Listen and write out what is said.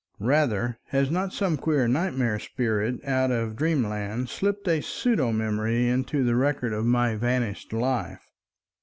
Rather, has not some queer nightmare spirit out of dreamland slipped a pseudo memory into the records of my vanished life?"